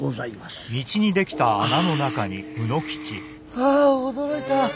ああ驚いた。